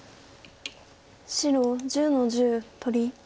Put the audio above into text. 白１０の十取り。